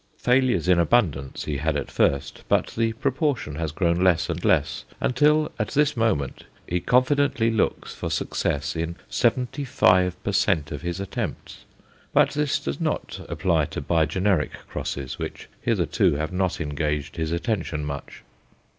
Failures in abundance he had at first, but the proportion has grown less and less until, at this moment, he confidently looks for success in seventy five per cent. of his attempts; but this does not apply to bi generic crosses, which hitherto have not engaged his attention much.